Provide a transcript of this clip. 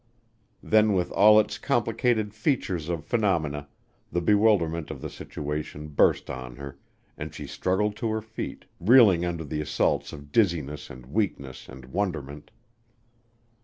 Then with all its complicated features of phenomena, the bewilderment of the situation burst on her, and she struggled to her feet, reeling under the assaults of dizziness and weakness and wonderment.